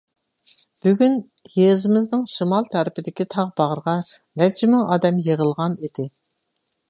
بۈگۈن يېزىمىزنىڭ شىمال تەرىپىدىكى تاغ باغرىغا نەچچە مىڭ ئادەم يىغىلغان ئىدى.